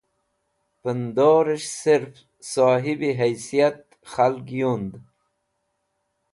Pẽndorẽs̃h sirf sohibi heysiyat khag yund.